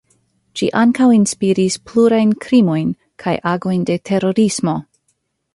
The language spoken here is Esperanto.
Ĝi ankaŭ inspiris plurajn krimojn kaj agojn de terorismo.